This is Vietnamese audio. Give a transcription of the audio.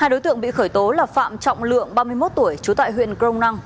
hai đối tượng bị khởi tố là phạm trọng lượng ba mươi một tuổi trú tại huyện crong năng